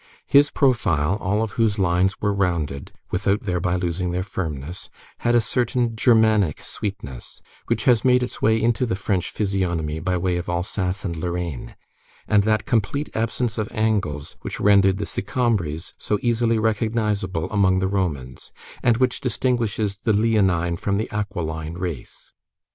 His profile, all of whose lines were rounded, without thereby losing their firmness, had a certain Germanic sweetness, which has made its way into the French physiognomy by way of Alsace and Lorraine, and that complete absence of angles which rendered the Sicambres so easily recognizable among the Romans, and which distinguishes the leonine from the aquiline race.